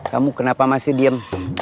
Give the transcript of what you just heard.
kamu kenapa masih diem